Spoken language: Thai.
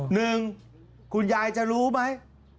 หนึ่งคุณยายจะรู้ไหม